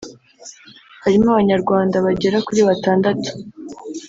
harimo Abanyarwanda bagera kuri batandatu